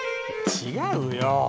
違うよ。